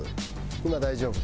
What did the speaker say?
今大丈夫。